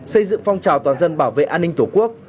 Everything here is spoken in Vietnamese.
xây dựng phong trào toàn dân bảo vệ an ninh tổ quốc